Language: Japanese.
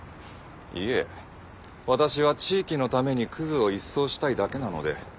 いえ私は地域のためにクズを一掃したいだけなので。